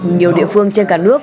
nhiều địa phương trên cả nước